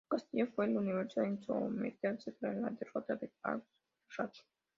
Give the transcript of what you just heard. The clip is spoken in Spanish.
Su castillo fue el último en someterse tras la derrota de Al-Azraq.